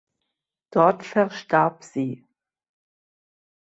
Dort verstarb sie.